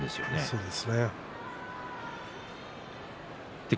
そうですね。